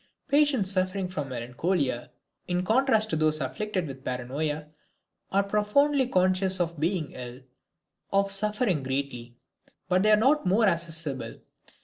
Patients suffering from melancholia, in contrast to those afflicted with paranoia, are profoundly conscious of being ill, of suffering greatly, but they are not more accessible.